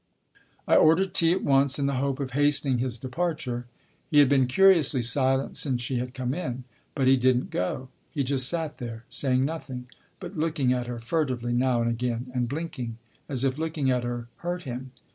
I ordered tea at once in the hope of hastening his departure. He had been curiously silent since she had come in. But he didn't go. He just sat there, saying nothing, but looking at her furtively now and again, and blinking, as if looking at her hurt him.